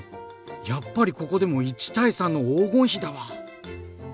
やっぱりここでも１対３の黄金比だわ！